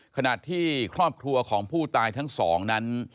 ขณะที่ครอบครัวของผู้ตายทั้งสองนั้น